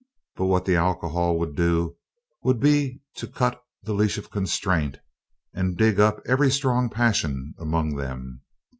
But what the alcohol would do would be to cut the leash of constraint and dig up every strong passion among them.